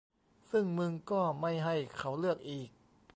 ซึ่งมึงก็ไม่ให้เขาเลือกอีก